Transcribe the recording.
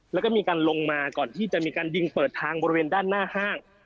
แล้วก็มีการลงมาก่อนที่จะมีการยิงเปิดทางบริเวณด้านหน้าห้าง